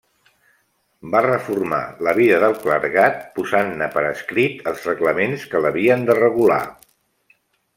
Va reformar la vida del clergat, posant-ne per escrit els reglaments que l'havien de regular.